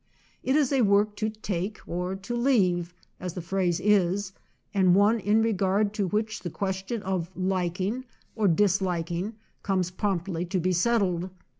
It is a work to take or to leave, as the phrase is, and one in regard to which the question of liking or disliking comes promptly to be settled.